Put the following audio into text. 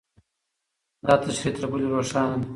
دا تشریح تر بلې روښانه ده.